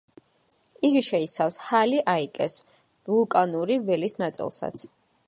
იგი შეიცავს პალი-აიკეს ვულკანური ველის ნაწილსაც.